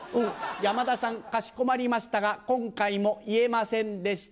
「山田さん『かしこまりました』が今回も言えませんでした」。